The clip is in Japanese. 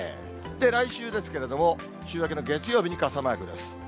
来週ですけれども、週明けの月曜日に傘マークです。